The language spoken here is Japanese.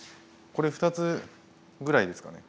これ２つぐらいですかね？